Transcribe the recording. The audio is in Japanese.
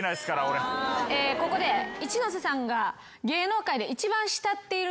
ここで一ノ瀬さんが。